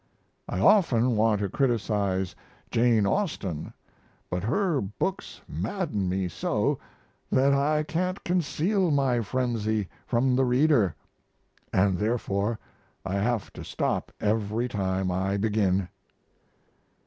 I often want to criticize Jane Austen, but her books madden me so that I can't conceal my frenzy from the reader; & therefore I have to stop every time I begin.'